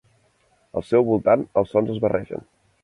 Al seu voltant els sons es barregen.